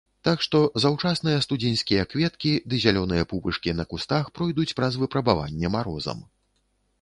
Так што заўчасныя студзеньскія кветкі ды зялёныя пупышкі на кустах пройдуць праз выпрабаванне марозам.